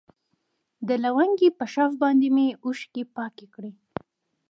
د لونگۍ په شف باندې مې اوښکې پاکې کړي.